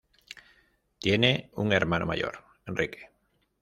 Tiene un hermano mayor, Enrique.